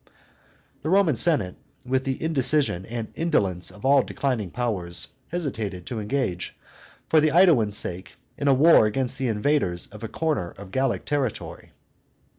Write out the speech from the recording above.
The Roman Senate, with the indecision and indolence of all declining powers, hesitated to engage, for the AEduans' sake, in a war against the invaders of a corner of Gallic territory.